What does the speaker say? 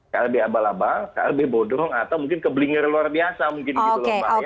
klb abal abal klb bodong atau mungkin keblinger luar biasa mungkin gitu loh mbak